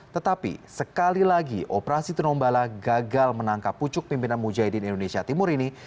tetapi sekali lagi operasi tinombala gagal menangkap pucuk pimpinan mujahidin indonesia timur ini